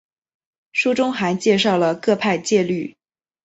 书中还介绍了各派戒律。